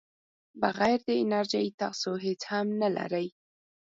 بغیر د انرژۍ تاسو هیڅ هم نه لرئ.